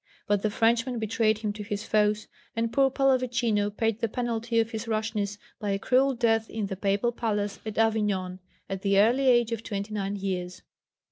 But the Frenchman betrayed him to his foes, and poor Pallavicino paid the penalty of his rashness by a cruel death in the Papal Palace at Avignon at the early age of twenty nine years.